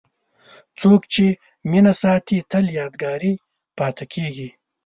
څوک چې مینه ساتي، تل یادګاري پاتې کېږي.